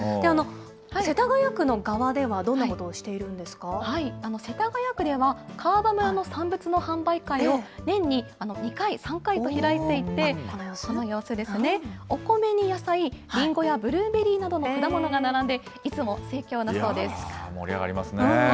世田谷区の側ではどんなこと世田谷区では、川場村の産物の販売会を年に２回、３回と開いていて、その様子ですね、お米に野菜、りんごやブルーベリーなどの果物が並んで、いやー、盛り上がりますね。